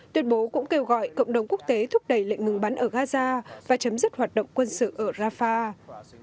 tuyên bố cũng kêu gọi cộng đồng quốc tế thúc đẩy lệnh ngừng bắn ở gaza và chấm dứt hoạt động quân sự ở rafah